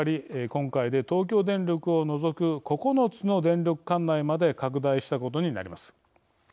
今回で東京電力を除く９つの電力管内まで拡大したことになります。